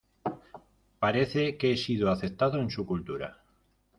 Parece que he sido aceptado en su cultura.